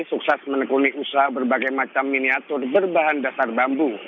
sukses menekuni usaha berbagai macam miniatur berbahan dasar bambu